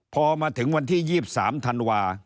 พอมาถึงวันที่๒๓ธันวา